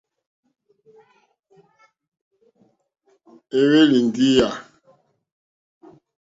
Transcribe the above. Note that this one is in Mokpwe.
Éhwélì díyà.